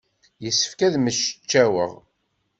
Yessefk ad mmecčaweɣ.